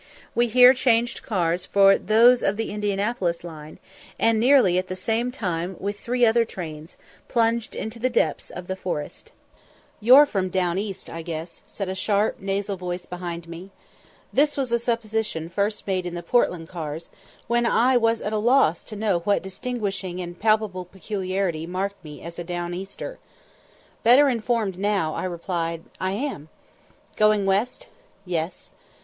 We here changed cars for those of the Indianapolis line, and, nearly at the same time with three other trains, plunged into the depths of the forest. "You're from down east, I guess?" said a sharp nasal voice behind me. This was a supposition first made in the Portland cars, when I was at a loss to know what distinguishing and palpable peculiarity marked me as a "down easter." Better informed now, I replied, "I am." "Going west?" "Yes."